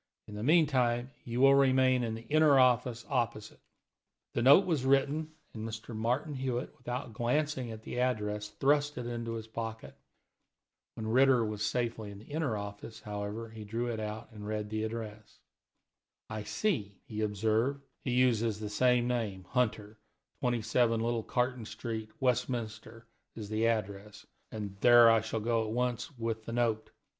In the meantime, you will remain in the inner office opposite." The note was written, and Martin Hewitt, without glancing at the address, thrust it into his pocket. When Ritter was safely in the inner office, however, he drew it out and read the address. "I see," he observed, "he uses the same name, Hunter; 27 Little Carton Street, Westminster, is the address, and there I shall go at once with the note.